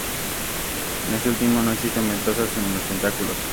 En este último no existen ventosas en los tentáculos.